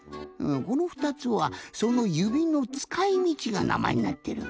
この２つはその指のつかいみちがなまえになってる。